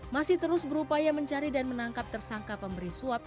masih terus berupaya mencari dan menangkap tersangka pemberi suap